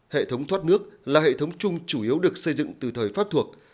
hệ thống thoát nước là hệ thống chung chủ yếu được xây dựng từ thời pháp thuộc